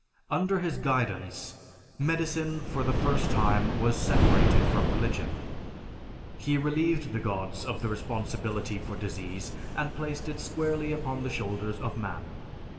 Under his guidance, medicine for the first time was separated from religion. He relieved the gods of the responsibility for disease and placed it squarely upon the shoulders of man.